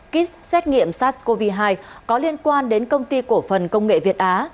kit xét nghiệm sars cov hai có liên quan đến công ty cổ phần công nghệ việt á